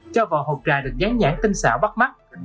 cho vào hộp trà được gián nhãn tinh xảo bắt mắt